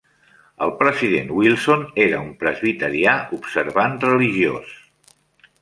El president Wilson era un presbiterià observant religiós.